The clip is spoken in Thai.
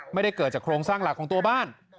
ไม่ได้เกิดจากโครงสร้างหลักของตัวบ้าน